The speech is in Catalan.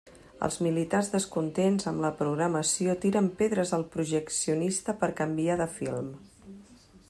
Els militars descontents amb la programació tiren pedres al projeccionista per canviar de film.